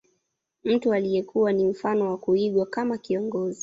Mtu aliyekuwa ni mfano wa kuigwa kama kiongozi